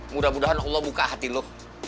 mudah mudahan allah buka hati lo